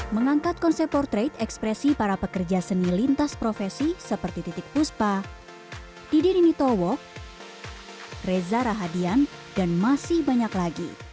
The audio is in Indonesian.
mengangkat konsep portrait ekspresi para pekerja seni lintas profesi seperti titik puspa didiri mitowok rezara hadian dan masih banyak lagi